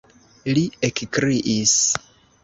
li ekkriis.